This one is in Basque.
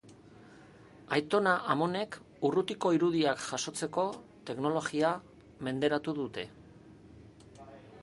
Aitona-amonek urrutiko irudiak jasotzeko teknologia menderatu dute.